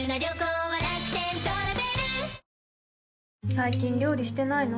最近料理してないの？